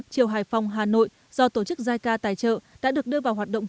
chiều hải phòng hà nội do tổ chức giai ca tài trợ đã được đưa vào hoạt động